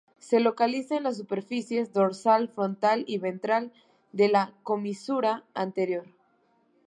Se localiza en las superficies dorsal, frontal y ventral de la comisura anterior.